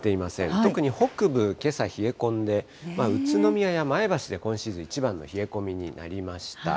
とくに北部、けさ冷え込んで、宇都宮や前橋で今シーズン一番の冷え込みになりました。